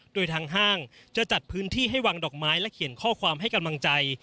โดยทางห้างจะจัดพื้นที่ให้วางดอกไม้และเขียนข้อความให้กำลังใจ